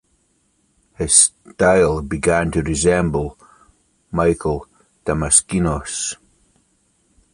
His style began to resemble Michael Damaskinos.